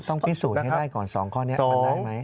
ต้องพิสูจน์ให้ได้ก่อน๒ข้อนี้มันได้ไหม